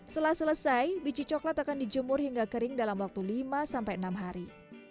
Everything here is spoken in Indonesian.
setelah selesai biji coklat akan dijemur hingga kering dalam waktu lima sampai enam hari